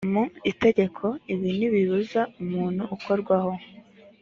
mu itegeko ibi ntibibuza umuntu ukorwaho